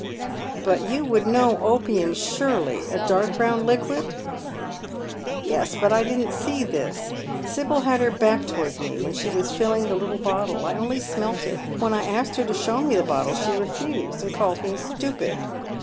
" But you would know opium, surely, a dark brown liquid ?"" Yes, but I didn't see this. Sibyl had her back towards me while she was filling the little bottle. I only smelt it. When I asked her to show me the bottle, she refused, and called me a fitupid.